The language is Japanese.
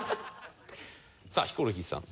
さあヒコロヒーさん。